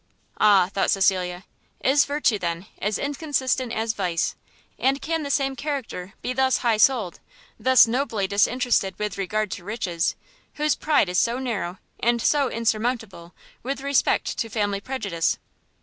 Ah! thought Cecilia, is virtue, then, as inconsistent as vice? and can the same character be thus high souled, thus nobly disinterested with regard to riches, whose pride is so narrow and so insurmountable, with respect to family prejudice!